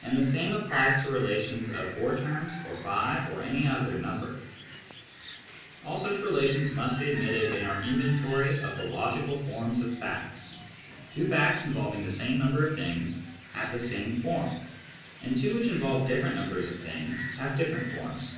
And the same applies to relations of four terms or five or any >y other number. All such relations must be admitted in t our inventory of the logical forms of facts : two facts ^,: i involving the same number of things have the same form, ^^ and two which involve different numbers of things have different forms.